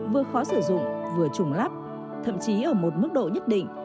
vừa khó sử dụng vừa trùng lắp thậm chí ở một mức độ nhất định